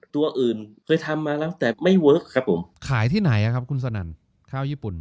ตัวอื่นเคยทำมาแล้วแต่ไม่เวิร์คครับผมขายที่ไหนครับคุณสนั่นข้าวญี่ปุ่น